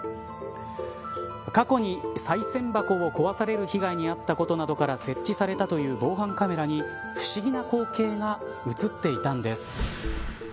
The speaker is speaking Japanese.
過去に、さい銭箱を壊される被害に遭ったことなどから設置されたという防犯カメラに不思議な光景が映っていたんです。